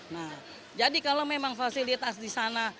nah jadi kalau memang fasilitas di sana